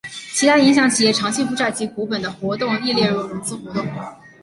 其他影响企业长期负债及股本的活动亦列为融资活动。